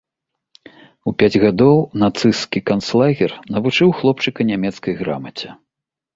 У пяць гадоў нацысцкі канцлагер навучыў хлопчыка нямецкай грамаце.